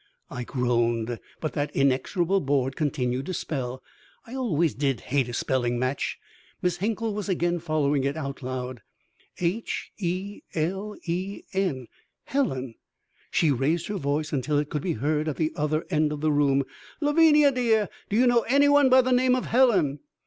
I groaned, but that inexorable board continued to spell. I always did hate a spelling match! Miss Hinkle was again following it aloud: "'H e l e n.' Helen!" She raised her voice until it could be heard at the other end of the room. "Lavinia, dear, do you know anyone by the name of Helen?"